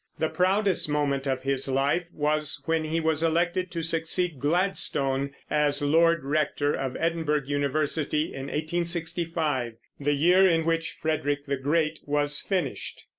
The proudest moment of his life was when he was elected to succeed Gladstone as lord rector of Edinburgh University, in 1865, the year in which Frederick the Great was finished.